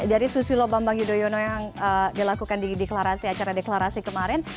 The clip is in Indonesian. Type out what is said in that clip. dari susilo bambang yudhoyono yang dilakukan di deklarasi acara deklarasi kemarin